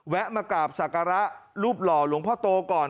มากราบศักระรูปหล่อหลวงพ่อโตก่อน